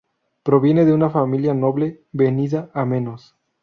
Proviene de una familia noble venida a menos.